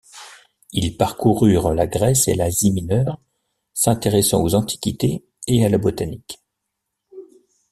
Ils parcoururent la Grèce et l'Asie mineure, s'intéressant aux antiquités et à la botanique.